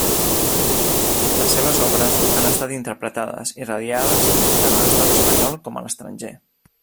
Les seves obres han estat interpretades i radiades tant a l'Estat Espanyol com a l'estranger.